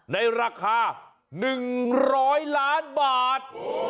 ในราคา๑๐๐ล้านบาท